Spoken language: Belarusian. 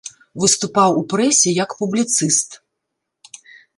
Выступаў у прэсе як публіцыст.